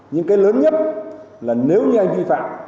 nhưng cái lớn nhất là nếu như anh vi phạm